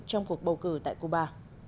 trong cuộc bầu cử tại cuba